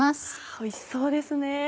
おいしそうですね。